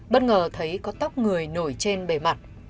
bất ngờ thấy có tóc người nổi trên bề mặt